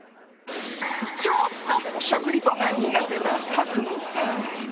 ちょっと食リポが苦手なたくみさん。